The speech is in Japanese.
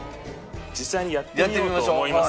実際にやってみようと思います。